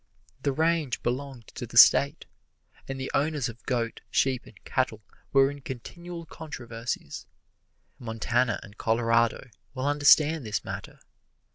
The range belonged to the State, and the owners of goats, sheep and cattle were in continual controversies. Montana and Colorado will understand this matter.